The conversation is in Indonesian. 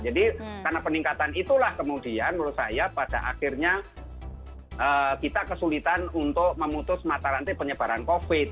jadi karena peningkatan itulah kemudian menurut saya pada akhirnya kita kesulitan untuk memutus mata rantai penyebaran covid